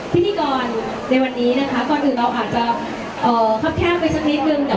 ไปชิมอีกครั้งหนึ่งนะครับแล้วก็ทำให้เรา